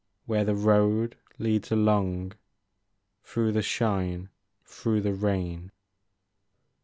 Where the road leads along Through the shine, through the rain.